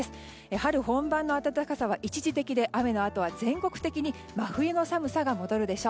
春本番の暖かさは一時的で雨のあとは、全国的に真冬の寒さが戻るでしょう。